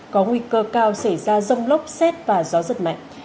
có nguy cơ cao xảy ra rông lốc xét và gió giật mạnh